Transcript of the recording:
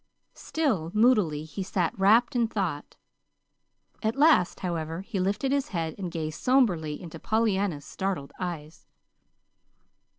Still moodily he sat wrapped in thought. At last, however, he lifted his head and gazed somberly into Pollyanna's startled eyes.